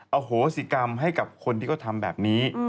โหสิกรรมให้กับคนที่เขาทำแบบนี้